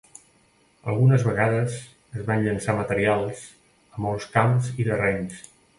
Algunes vegades es van llençar materials a molts camps i terrenys.